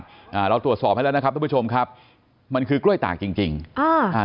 อ่าเราตรวจสอบให้แล้วนะครับทุกผู้ชมครับมันคือกล้วยตากจริงจริงอ่าอ่า